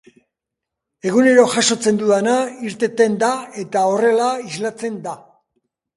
Egunero jasotzen dudana, irteten da eta horrela islatzen da.